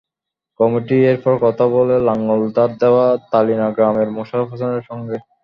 Committee এরপর কথা বলে লাঙল ধার দেওয়া তালিনা গ্রামের মোশারফ হোসেনের সঙ্গে।